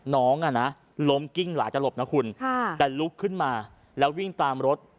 น้องอ่ะนะล้มกิ้งหลายจะหลบนะคุณแต่ลุกขึ้นมาแล้ววิ่งตามรถ